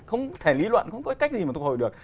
không thể lý luận không có cách gì mà thu hồi được